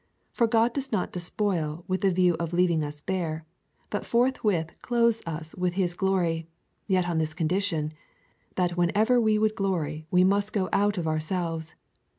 For God does not despoil with the view of leaving us bare, but forthwith clothes us with his glory — yet on this condition, that whenever we would glory we must go out of ourselves.